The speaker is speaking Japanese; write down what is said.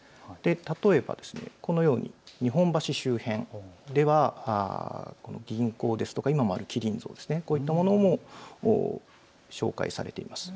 例えばこのように日本橋周辺では銀行ですとか今にあるきりん像、こういったものも紹介されています。